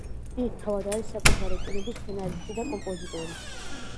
ის თავად არის საკუთარი ფილმების სცენარისტი და კომპოზიტორი.